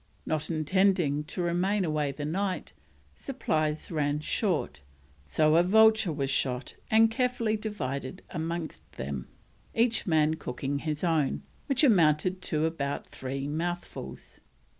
Not intending to remain away the night, supplies ran short, so a vulture was shot and carefully divided amongst them, each man cooking his own, which amounted to about three mouthfuls.